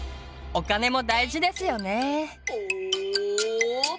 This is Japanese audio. お金も大事ですよね。